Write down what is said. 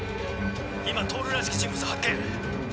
今透らしき人物を発見。